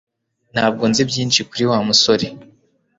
Ntabwo nzi byinshi kuri Wa musore